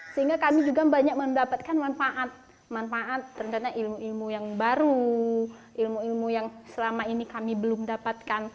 sehingga kami juga banyak mendapatkan manfaat manfaat ternyata ilmu ilmu yang baru ilmu ilmu yang selama ini kami belum dapatkan